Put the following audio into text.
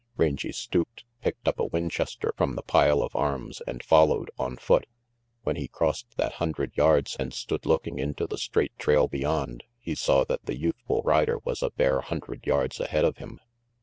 Rangy stooped, picked up a Winchester from the pile of arms, and followed, on foot. When he crossed that hundred yards and stood looking into the straight trail beyond, he saw that the youthful rider was a bare hundred yards ahead of him.